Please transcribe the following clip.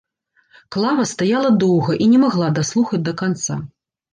Клава стаяла доўга і не магла даслухаць да канца.